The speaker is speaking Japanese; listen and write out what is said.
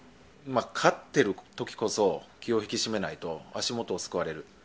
勝っているときこそ気を引き締めないと足元をすくわれる。